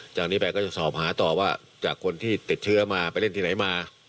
จากนี้ไปก็จะสอบหาต่อว่าจากคนที่ติดเชื้อมาไปเล่นที่ไหนมา